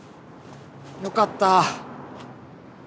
よかった。